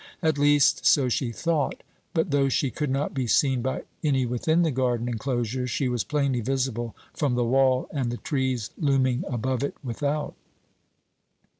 At least, so she thought, but though she could not be seen by any within the garden enclosure she was plainly visible from the wall and the trees looming above it without.